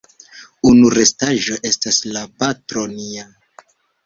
Unu restaĵo estas la "Patro nia".